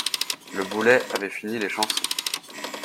Le boulet avait fini les chansons.